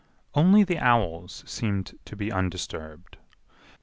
Only the owls seemed to be undisturbed.